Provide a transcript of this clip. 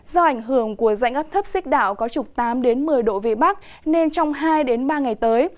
do ảnh hưởng của dạnh ấp thấp xích đạo có trục tám một mươi độ về bắc nên trong hai ba ngày tới